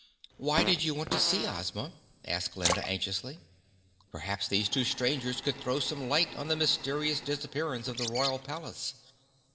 "Why did you want to see Ozma?" asked Glinda anxiously. Perhaps these two strangers could throw some light on the mysterious disappearance of the Royal Palace.